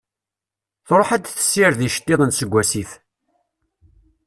Tṛuḥ ad d-tessired iceṭṭiḍen seg wasif.